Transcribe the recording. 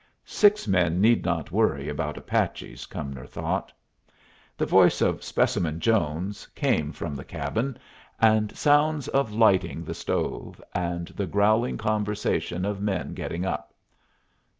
Six men need not worry about Apaches, Cumnor thought. The voice of Specimen Jones came from the cabin, and sounds of lighting the stove, and the growling conversation of men getting up.